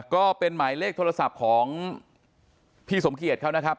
ก็เป็นหมายเลขโทรศัพท์ของพี่สมเกียจเขานะครับ